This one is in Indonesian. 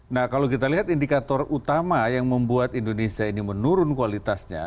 nah kalau kita lihat indikator utama yang membuat indonesia ini menurun kualitasnya